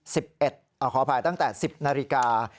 สิบเอ็ดขออภัยตั้งแต่สิบนาฬิกา